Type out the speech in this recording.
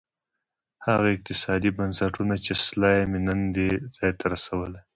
هغه اقتصادي بنسټونه چې سلایم یې نن دې ځای ته رسولی.